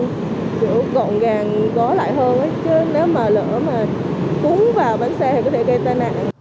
giữ gọn gàng gói lại hơn chứ nếu mà lỡ mà cuốn vào bánh xe thì có thể gây tai nạn